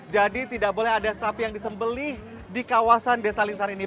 jadi tidak boleh ada sapi yang disembelih di kawasan desa lingsan ini